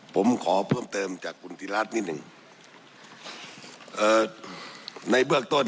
ผมขอเพิ่มเติมจากคุณธิรัฐนิดหนึ่งเอ่อในเบื้องต้น